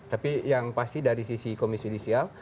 tapi yang pasti dari sisi komisi judisial